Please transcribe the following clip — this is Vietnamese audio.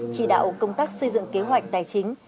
chỉ đạo công tác xây dựng kế hoạch tài chính